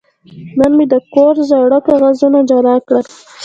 نن مې د کور زاړه کاغذونه جلا کړل.